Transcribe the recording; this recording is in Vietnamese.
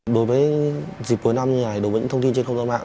đối với dịp cuối năm như thế này đối với những thông tin trên không gian mạng